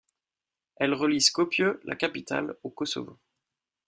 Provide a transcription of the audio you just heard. Elle relie Skopje, la capitale, au Kosovo.